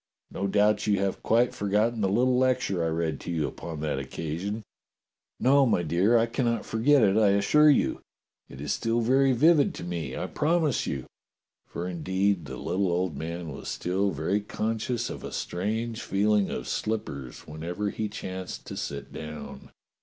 No doubt you have quite forgotten the little lecture I read to you upon that oc casion?" "No, my dear, I cannot forget it, I assure you. It is still very vivid to me, I promise you." For indeed the little old man was still very conscious of a strange feeling of slippers whenever he chanced to sit down.